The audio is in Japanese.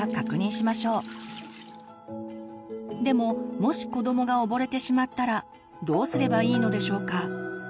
でももし子どもが溺れてしまったらどうすればいいのでしょうか？